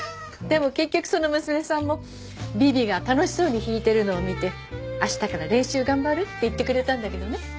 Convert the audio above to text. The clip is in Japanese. でも結局その娘さんもビビが楽しそうに弾いてるのを見て明日から練習頑張るって言ってくれたんだけどね。